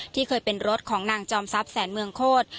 ที่เคยเป็นรถของนางจอมทรัพย์แสนเมืองโคตร